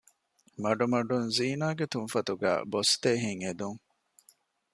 މަޑުމަޑުން ޒީނާގެ ތުންފަތުގައި ބޮސްދޭ ހިތް އެދުން